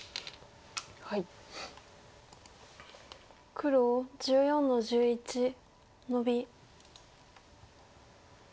黒１４の十一ノビ。